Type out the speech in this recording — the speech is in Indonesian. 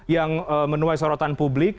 yang menuai sorotan publik